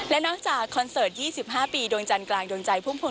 แล้วนอกจากคอนเซิร์ท๒๕ปี